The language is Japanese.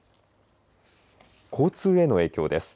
交通への影響です。